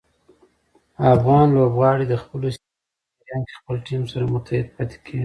افغان لوبغاړي د خپلو سیالیو په جریان کې خپل ټیم سره متحد پاتې کېږي.